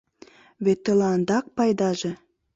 Вет тыландак пайдаже.